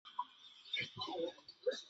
为重要的食用鱼及养殖鱼类。